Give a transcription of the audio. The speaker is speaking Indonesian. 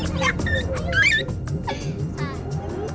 buah buah buah buah